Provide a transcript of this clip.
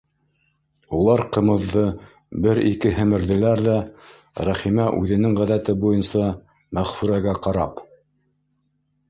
Улар ҡымыҙҙы бер-ике һемерҙеләр ҙә, Рәхимә үҙенең ғәҙәте буйынса Мәғфүрәгә ҡарап: